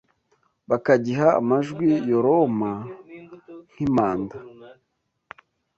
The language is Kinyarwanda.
bakagiha amajwi yoroma nk’impanda